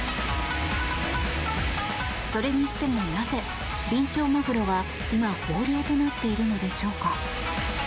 それにしてもなぜビンチョウマグロは今、豊漁となっているのでしょうか。